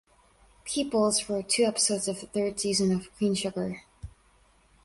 Peoples wrote two episodes of the third season of "Queen Sugar".